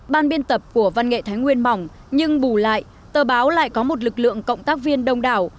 ban biên tập của văn nghệ thái nguyên mỏng nhưng bù lại tờ báo lại có một lực lượng cộng tác viên đông đảo